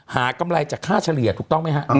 กำไรจากค่าเฉลี่ยถูกต้องไหมครับ